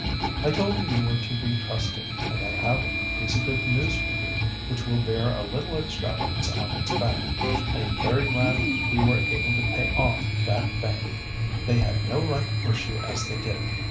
"I told her you were to be trusted, and I have a piece of good news for you, which will bear a little extravagance on its back. I am very glad we were able to pay off that bank. "They had no right to push you as they did.